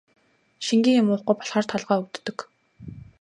Шингэн юм уухгүй болохоор толгой өвдөг.